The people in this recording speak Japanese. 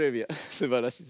すばらしい。